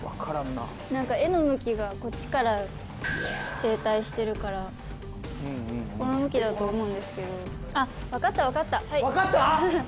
何か絵の向きがこっちから正対してるからこの向きだと思うんですけど分かった分かったはい分かった！？